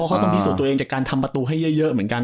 เขาต้องพิสูจน์ตัวเองจากการทำประตูให้เยอะเหมือนกัน